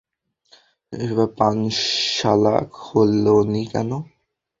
পানশালা খোলোনি কেন?